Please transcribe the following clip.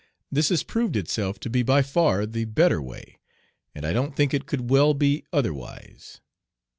This has proved itself to be by far the better way, and I don't think it could well be otherwise.